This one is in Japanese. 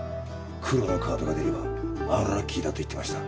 黒のカードが出ればアンラッキーだといってました。